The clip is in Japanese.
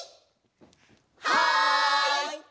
はい！